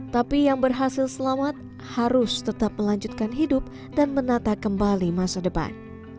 tapi yang berhasil selamat harus tetap melanjutkan hidup dan menata kembali masa depan